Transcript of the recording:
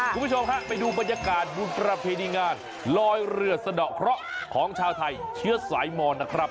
คุณผู้ชมฮะไปดูบรรยากาศบุญประเพณีงานลอยเรือสะดอกเคราะห์ของชาวไทยเชื้อสายมอนนะครับ